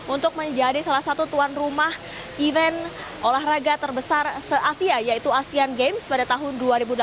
untuk menjadi salah satu tuan rumah event olahraga terbesar se asia yaitu asean games pada tahun dua ribu delapan belas